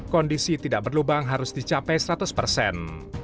kondisi tidak berlubang harus dicapai seratus persen